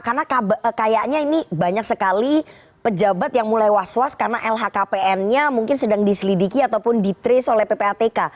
karena kayaknya ini banyak sekali pejabat yang mulai was was karena lhkpn nya mungkin sedang diselidiki ataupun ditrace oleh ppatk